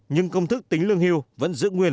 nhưng công thức tính lương hưu vẫn giữ nguyên